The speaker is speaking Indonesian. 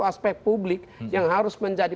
aspek publik yang harus menjadi